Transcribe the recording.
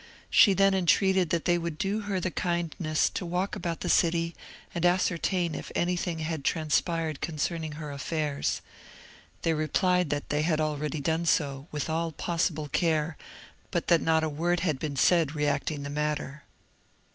She then entreated that they would do her the kindness to walk about the city, and ascertain if anything had transpired concerning her affairs. They replied, that they had already done so, with all possible care, but that not a word had been said reacting the matter.